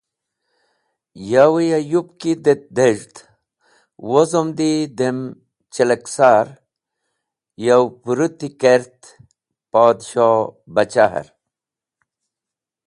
Yowe ya yupki det dez̃hd wozomdi dem chaleksar yow pũrũti kert Podshohbachaher.